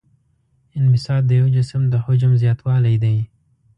انبساط د یو جسم د حجم زیاتوالی دی.